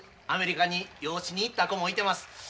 アメリカに養子に行った子もいてます。